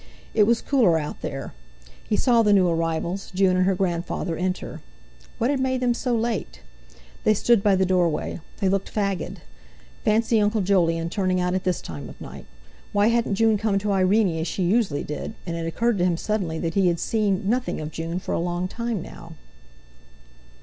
It was cooler out there. He saw the new arrivals, June and her grandfather, enter. What had made them so late? They stood by the doorway. They looked fagged. Fancy Uncle Jolyon turning out at this time of night! Why hadn't June come to Irene, as she usually did, and it occurred to him suddenly that he had seen nothing of June for a long time now.